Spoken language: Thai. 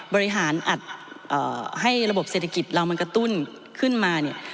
บริหารอัดให้ระบบเศรษฐกิจเรามันกระตุ้นขึ้นมาเนี่ย